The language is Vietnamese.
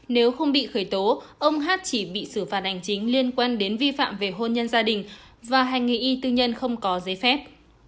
nếu không bị khởi tố ông hát chỉ bị xử phạt hành chính liên quan đến vi phạm về hôn nhân gia đình và hành nghề y tư nhân không có giấy phép